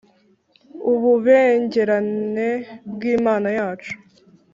ububengerane bw’Imana yacu.